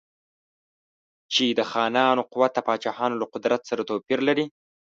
چې د خانانو قوت د پاچاهانو له قدرت سره توپیر لري.